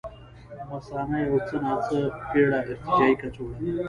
مثانه یو څه ناڅه پېړه ارتجاعي کڅوړه ده.